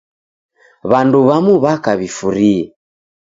W'andu w'amu w'aka w'ifurie.